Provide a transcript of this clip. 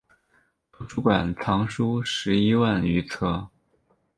图书馆藏书十一万余册。